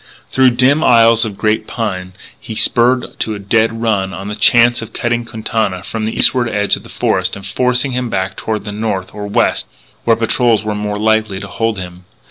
Through dim aisles of giant pine he spurred to a dead run on the chance of cutting Quintana from the eastward edge of the forest and forcing him back toward the north or west, where patrols were more than likely to hold him.